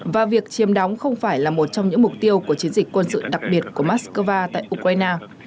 và việc chiếm đóng không phải là một trong những mục tiêu của chiến dịch quân sự đặc biệt của moscow tại ukraine